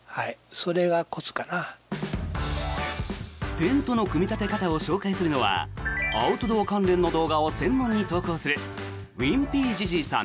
テントの組み立て方を紹介するのはアウトドア関連の動画を専門に投稿するｗｉｎｐｙ−ｊｉｊｉｉさん